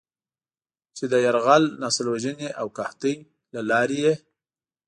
چې د "يرغل، نسل وژنې او قحطۍ" له لارې یې